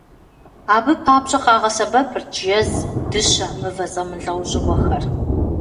Абы папщӀэ къагъэсэбэпырт жэз, дыщэ, мывэ зэмылӀэужьыгъуэхэр.